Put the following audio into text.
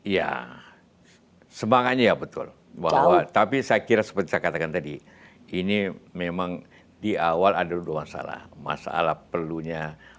ya semangatnya ya betul bahwa tapi saya kira seperti saya katakan tadi ini memang di awal ada dua masalah masalah perlunya